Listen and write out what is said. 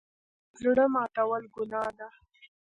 زړه ماتول ګناه ده